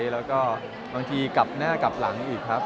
แล้วก็บางทีกลับหน้ากลับหลังอีกครับ